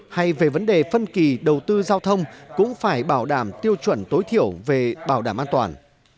hay về vấn đề phân kỳ đầu tư giao thông cũng phải bảo đảm tiêu chuẩn tối thiểu về bảo đảm an toàn